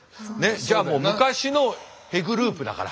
じゃあもう昔の戸グループだから。